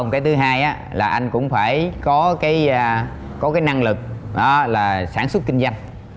cái thứ hai á là anh cũng phải có cái năng lực là sản xuất kinh doanh